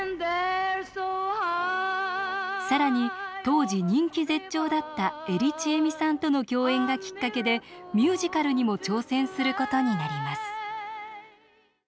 更に当時人気絶頂だった江利チエミさんとの共演がきっかけでミュージカルにも挑戦することになります。